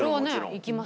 行きます。